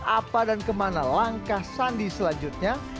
apa dan kemana langkah sandi selanjutnya